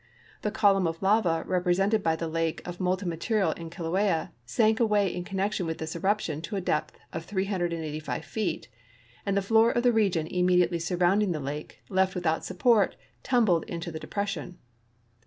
The col umn of lava represented by the lake of molten material in Kilauea sank away in connection with this eruption to a depth of 385 feet, and the floor of the region immediately^ surrounding the lake, left without support, tumbled into the depression.